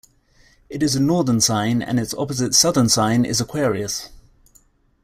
It is a northern sign and its opposite southern sign is Aquarius.